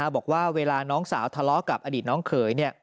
บอกว่าเวลาน้องสาวทะเลาะกับอดีตน้องเขย